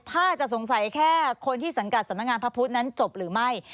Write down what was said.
ถ้าจะสงสัยแค่คนที่สังกัดสำนักงานพระพุทธนั้นจบหรือไม่